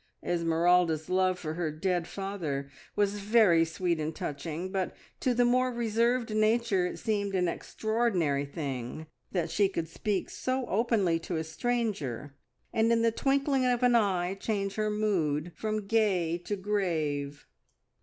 Esmeralda's love for her dead father was very sweet and touching, but to the more reserved nature it seemed an extraordinary thing that she could speak so openly to a stranger, and in the twinkling of an eye change her mood from gay to grave.